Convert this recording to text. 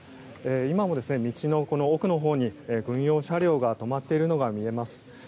今も、この道の奥のほうに軍用車両が止まっているのが見えます。